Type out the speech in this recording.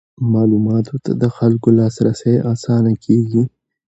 معلوماتو ته د خلکو لاسرسی اسانه کیږي.